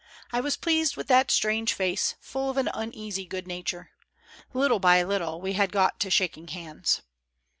I was pleased with that strange face, full of an uneasy good nature. Little by little, w'e had got to shaking hands.